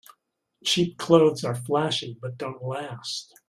Cheap clothes are flashy but don't last.